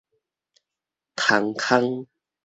蟲空